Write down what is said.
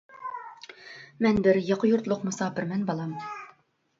-مەن بىر ياقا يۇرتلۇق مۇساپىرمەن، بالام.